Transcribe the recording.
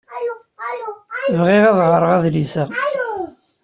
Bɣiɣ ad teɣreḍ adlis-a.